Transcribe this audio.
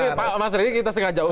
ini pak mas randy kita sengaja ucap